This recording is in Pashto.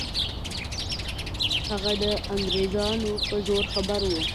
هغه د انګریزانو په زور خبر وو.